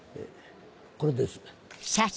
これです。